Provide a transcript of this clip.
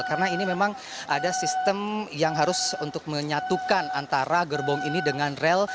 karena ini memang ada sistem yang harus untuk menyatukan antara gerbong ini dengan rel